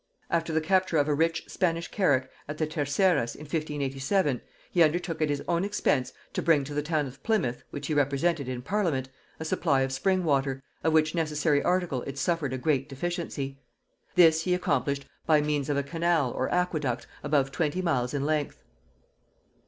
After the capture of a rich Spanish carrack at the Terceras in 1587, he undertook at his own expense to bring to the town of Plymouth, which he represented in parliament, a supply of spring water, of which necessary article it suffered a great deficiency; this he accomplished by means of a canal or aqueduct above twenty miles in length.